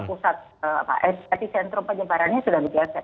pusat etisentrum penyebarannya sudah digeser